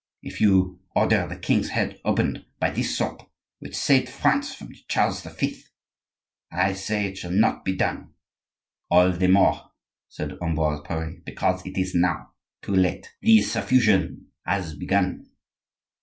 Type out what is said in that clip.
If you order the king's head opened, by this sword which saved France from Charles V., I say it shall not be done—" "All the more," said Ambroise Pare; "because it is now too late; the suffusion has begun."